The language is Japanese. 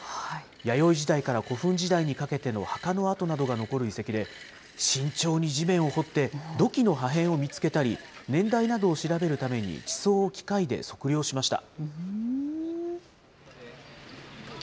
弥生時代から古墳時代にかけての墓の跡などが残る遺跡で、慎重に地面を掘って、土器の破片を見つけたり、年代などを調べるために地層を機械で測量しました。